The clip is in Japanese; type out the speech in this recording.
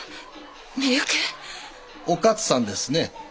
お勝さんですね。